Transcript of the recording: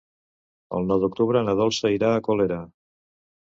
El nou d'octubre na Dolça irà a Colera.